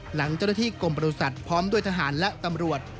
หลังเจ้าหน้าที่กรมบริษัทพร้อมด้วยทหารและตำรวจ